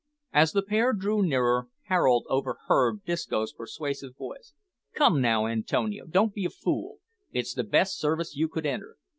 As the pair drew nearer, Harold overheard Disco's persuasive voice: "Come now, Antonio, don't be a fool; it's the best service you could enter.